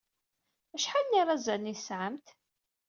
Acḥal n yirazalen ay tesɛamt?